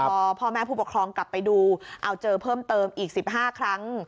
พอพ่อแม่ผู้ปกครองกลับไปดูเอาเจอเพิ่มเติมอีก๑๕ครั้ง